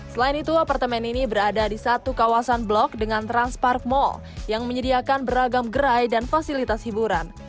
selain itu apartemen ini berada di satu kawasan blok dengan transpark mall yang menyediakan beragam gerai dan fasilitas hiburan